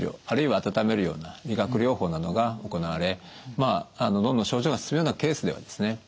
あるいは温めるような理学療法などが行われまあどんどん症状が進むようなケースではですね